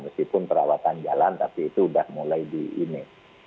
meskipun perawatan jalan tapi itu sudah mulai di ini